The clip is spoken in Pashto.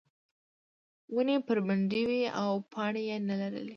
ونې بربنډې وې او پاڼې یې نه لرلې.